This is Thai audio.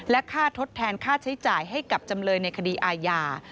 ค่าทดแทนค่าใช้จ่ายให้กับจำเลยในคดีอาญา